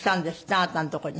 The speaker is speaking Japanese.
あなたのとこに。